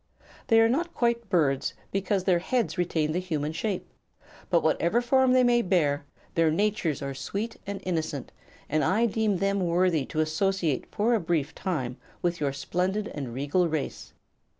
They are not quite birds, because their heads retain the human shape; but whatever form they may bear, their natures are sweet and innocent and I deem them worthy to associate for a brief time with your splendid and regal race.